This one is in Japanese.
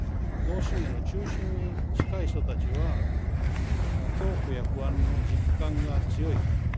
同心円の中心に近い人たちは恐怖や不安の実感が強い。